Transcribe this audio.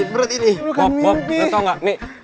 bob bob lo tau nggak nih